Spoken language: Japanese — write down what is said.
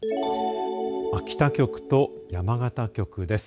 秋田局と山形局です。